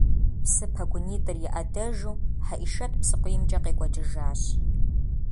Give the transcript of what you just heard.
Псы пэгунитӏыр и ӏэдэжу Хьэӏишэт псыкъуиймкӏэ къекӏуэкӏыжащ.